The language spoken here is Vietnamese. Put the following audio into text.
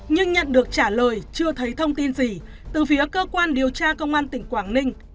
nhưng nhận được trả lời chưa thấy thông tin gì từ phía cơ quan điều tra công an tỉnh quảng ninh